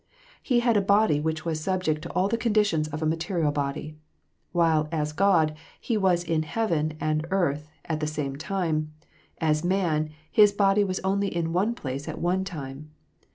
He had a body which was subject to all the conditions of a material body. While, as God, He was in heaven and earth at the same time ; as man, His body was only in one place at one time.